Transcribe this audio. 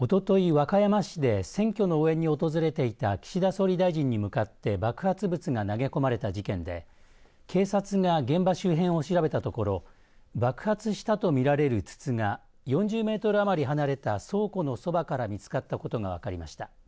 和歌山市で選挙の応援に訪れていた岸田総理大臣に向かって爆発物が投げ込まれた事件で警察が現場周辺を調べたところ爆発したと見られる筒が４０メートル余り離れた倉庫の側から見つかったことが分かりました。